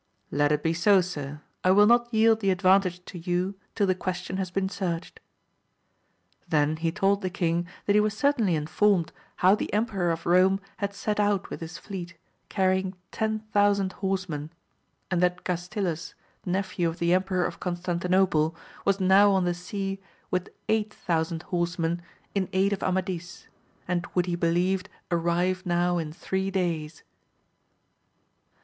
Let it be so, sir, I will not yield the advantage to you till the question has been searched. Then he told the king that he was certainly informed how the Emperor of Eome had set out with his fleet, carrying ten thousand horsemen ; and that Gastiles nephew of the Emperor of Constantinople was now on the sea with eight thousand horsemen in aid of Amadis, and would he believed arrive now in three days.